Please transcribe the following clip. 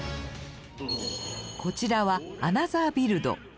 こちらはアナザービルド。